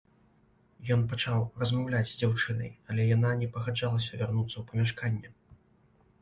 Ён пачаў размаўляць з дзяўчынай, але яна не пагаджалася вярнуцца ў памяшканне.